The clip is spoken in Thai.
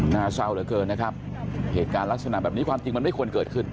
หน้าเศร้าเหลือเกินนะครับเหตุการณ์ลักษณะแบบนี้ความจริงมันไม่ควรเกิดขึ้น